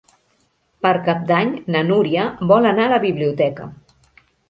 Per Cap d'Any na Núria vol anar a la biblioteca.